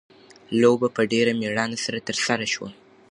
لوبه په ډېره مېړانه سره ترسره شوه.